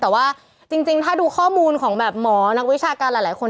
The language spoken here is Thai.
แต่ว่าจริงถ้าดูข้อมูลของแบบหมอนักวิชาการหลายคน